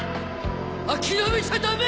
諦めちゃダメ！